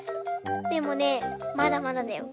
でもねまだまだだよ。